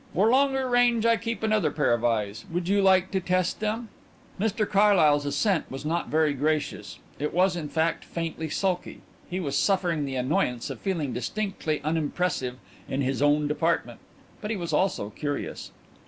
"For longer range I keep another pair of eyes. Would you like to test them?" Mr Carlyle's assent was not very gracious; it was, in fact, faintly sulky. He was suffering the annoyance of feeling distinctly unimpressive in his own department; but he was also curious.